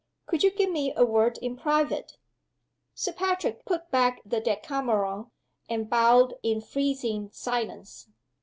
"Could you give me a word in private?" Sir Patrick put back the Decameron; and bowed in freezing silence.